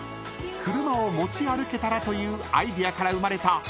［車を持ち歩けたらというアイデアから生まれた］